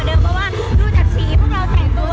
รูจักษีพวกเราแต่งตัว